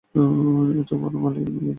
এ তো বনমালী নয়, এ যে রসিকবাবু!